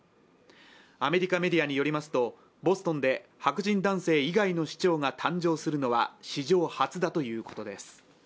アメリカメディアによりますとボストンで白人男性以外の市長が誕生するのは史上初だということです。